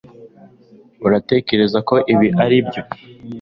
Uratekereza ko ibi aribyo